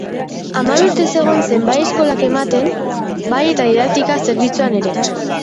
Hamabi urtez egon zen bai eskolak ematen, bai eta didaktika-zerbitzuan ere.